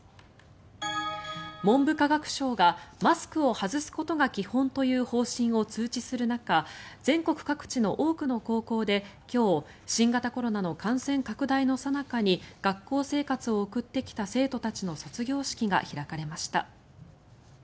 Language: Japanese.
文部科学省がマスクを外すことが基本という方針を通知する中全国各地の多くの高校で今日、新型コロナの感染拡大のさなかに学校生活を送ってきた生徒たちの卒業式が開かれました。